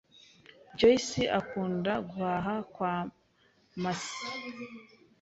Joyci akunda guhaha kwa Macy.